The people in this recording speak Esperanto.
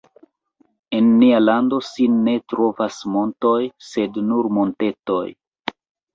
En nia lando sin ne trovas montoj, sed nur montetoj.